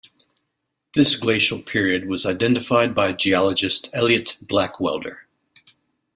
This glacial period was identified by geologist Eliot Blackwelder.